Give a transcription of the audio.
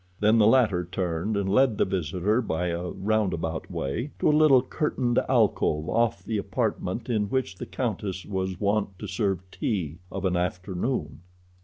Then the latter turned and led the visitor by a roundabout way to a little curtained alcove off the apartment in which the countess was wont to serve tea of an afternoon.